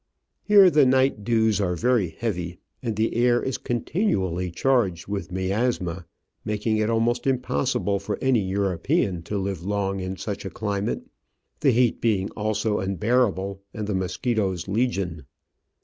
Here the night dews are very heavy, and the air is continually charged with miasma, making it almost impos sible for any European to live long in such a cli mate, the heat being also unbearable and the mos quitoes legion.